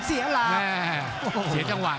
เสียหลาบ